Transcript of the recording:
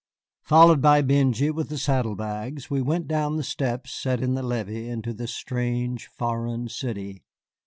Followed by Benjy with the saddle bags, we went down the steps set in the levee into this strange, foreign city.